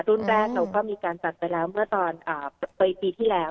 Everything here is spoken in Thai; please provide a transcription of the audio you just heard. รุ่นแรกเราก็มีการจัดไปแล้วเมื่อตอนปีที่แล้ว